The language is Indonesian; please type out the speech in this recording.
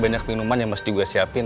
banyak minuman yang mesti gue siapin